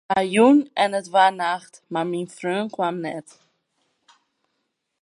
It waard jûn en it waard nacht, mar myn freon kaam net.